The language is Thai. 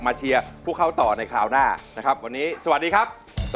เชียร์พวกเขาต่อในคราวหน้านะครับวันนี้สวัสดีครับ